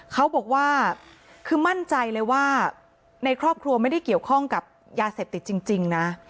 เขาบอกว่าคือมั่นใจเลยว่าในครอบครัวไม่ได้เกี่ยวข้องกับยาเสพติดจริงนะ